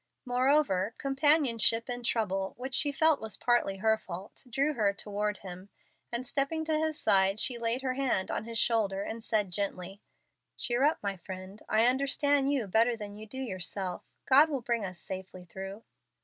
Moreover, companionship in trouble which she felt was partly her fault, drew her toward him, and, stepping to his side, she laid her hand on his shoulder and said, gently, "Cheer up, my friend; I understand you better than you do yourself. God will bring us safely through."